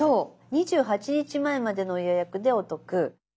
「２８日前までの予約でお得」。